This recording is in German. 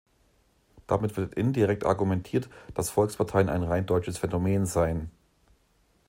Damit wird indirekt argumentiert, dass Volksparteien ein rein deutsches Phänomen seien.